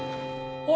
おい。